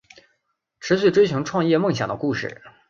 持续追寻创业梦想的故事